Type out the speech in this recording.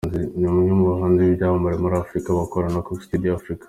Ni umwe mu bahanzi b’ibyamamare muri Afurika bakorana na Coke Studio Afurika.